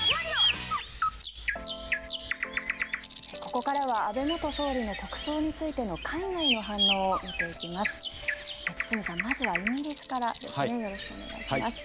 ここからは安倍元総理の国葬についての海外の反応を見ていきます。